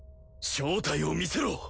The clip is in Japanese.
正体を見せろ！